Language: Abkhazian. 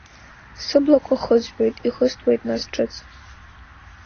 Сыблақәа хызҩоит ихыстуеит нас ҿыц.